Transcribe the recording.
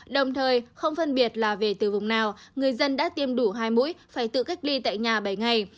đồng thời không phân biệt là về từ vùng nào người dân đã tiêm đủ hai mũi phải tự cách ly tại nhà bảy ngày